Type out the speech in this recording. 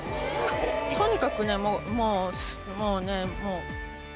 とにかくねもうもうねもう。